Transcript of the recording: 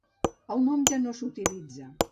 El nom ja no s'utilitza.